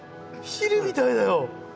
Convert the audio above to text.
ヒルみたいだよ。